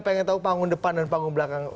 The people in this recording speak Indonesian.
pengen tahu panggung depan dan panggung belakang